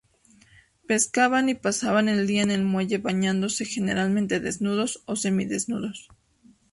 Pescaban y pasaban el día en el muelle, bañándose generalmente desnudos o semidesnudos.